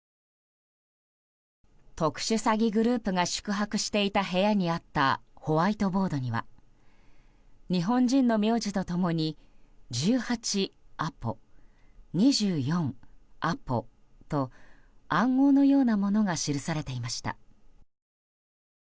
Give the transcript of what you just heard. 特殊詐欺グループが宿泊していた部屋にあったホワイトボードには日本人の名字と共に１８アポ、２４アポと暗号のようなものが記されていました。